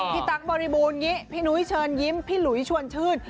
ตั๊กบริบูรณีพี่นุ้ยเชิญยิ้มพี่หลุยชวนชื่น